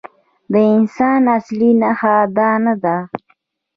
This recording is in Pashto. د انسان اصلي نښه دا نه ده.